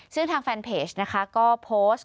ซึ่งทางแฟนเพจนะคะก็โพสต์